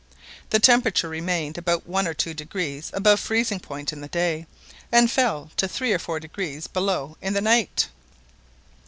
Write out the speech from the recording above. The temperature remained about one or two degrees above freezing point in the day, and fell to three or four degrees below in the night.